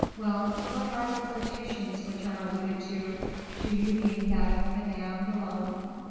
"Well, what are the flirtations which are alluded to? Do you mean that of Madame d'Olonne?"